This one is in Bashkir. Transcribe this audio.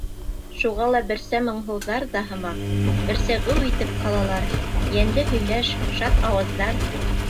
Шуға ла берсә моңһоуҙар ҙа һымаҡ, берсә геү итеп ҡалалар: йәнле һөйләш, шат ауаздар...